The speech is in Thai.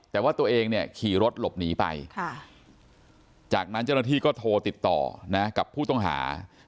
แต่ว่าตัวเองเนี่ยขี่รถหลบหนีไปจากนั้นเจ้าหน้าที่ก็โทรติดต่อนะกับผู้ต้องหา